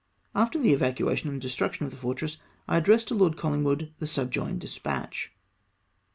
After the evacuation and destruction of the fortress I addressed to Lord Colhng wood the subjoined despatch.